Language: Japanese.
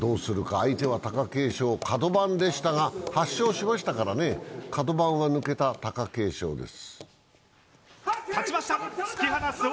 相手は貴景勝、かど番でしたが８勝しましたから、カド番は抜けた貴景勝です。